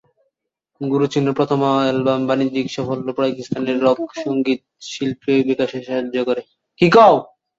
গুরুত্বপূর্ণ চিহ্ন 'প্রথম অ্যালবাম বাণিজ্যিক সাফল্য পাকিস্তানের রক সঙ্গীত শিল্পে বিকাশে সাহায্য করে।